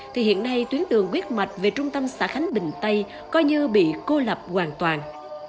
thì hiện nay tuyến đường quyết mạch về trung tâm xã khánh bình tây coi như bị cô lập hoàn toàn